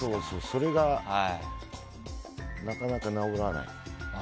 それがなかなか直らない。